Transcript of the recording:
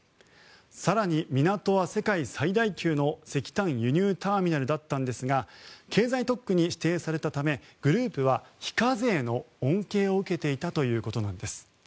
更に、港は世界最大級の石炭輸入ターミナルだったんですが経済特区に指定されたためグループは非課税の恩恵を受けていたということなんです。